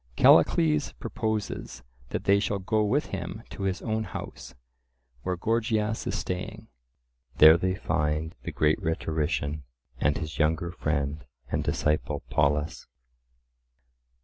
Callicles proposes that they shall go with him to his own house, where Gorgias is staying. There they find the great rhetorician and his younger friend and disciple Polus.